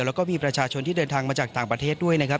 แล้วก็มีประชาชนที่เดินทางมาจากต่างประเทศด้วยนะครับ